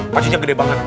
pasinya gede banget